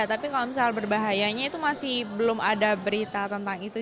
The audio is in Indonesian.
tapi kalau misalnya berbahayanya itu masih belum ada berita tentang itu